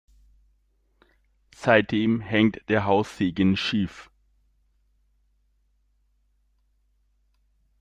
Seitdem hängt der Haussegen schief.